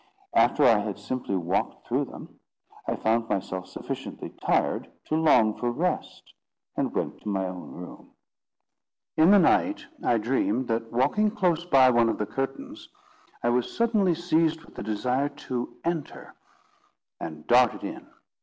After I had simply walked through them, I found myself sufficiently tired to long for rest, and went to my own room. In the night I dreamed that, walking close by one of the curtains, I was suddenly seized with the desire to enter, and darted in.